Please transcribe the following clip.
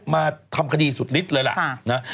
มาทำคดีสุดฤทธิ์เลยแหละนะค่ะ